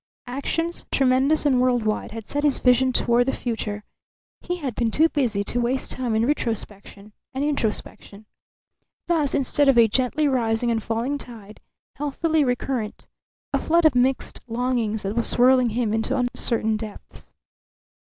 Actions, tremendous and world wide, had set his vision toward the future; he had been too busy to waste time in retrospection and introspection. Thus, instead of a gently rising and falling tide, healthily recurrent, a flood of mixed longings that was swirling him into uncertain depths.